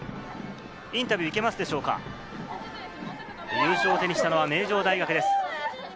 優勝を手にしたのは名城大学です。